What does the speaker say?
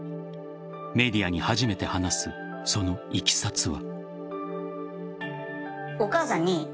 メディアに初めて話すそのいきさつは。